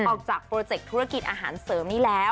ออกจากโปรเจกต์ธุรกิจอาหารเสริมนี้แล้ว